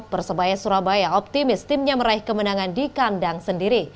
persebaya surabaya optimis timnya meraih kemenangan di kandang sendiri